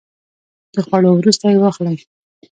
د خوړو وروسته یی واخلئ